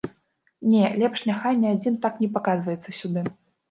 Не, лепш няхай ні адзін так не паказваецца сюды.